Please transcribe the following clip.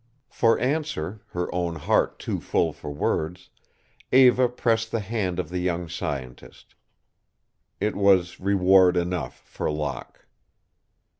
For answer, her own heart too full for words, Eva pressed the hand of the young scientist. It was reward enough for Locke.